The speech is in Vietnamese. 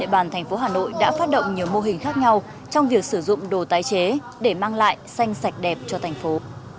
bàn thành phố hà nội đã phát động nhiều mô hình khác nhau trong việc sử dụng đồ tái chế để mang lại xanh sạch đẹp cho thành phố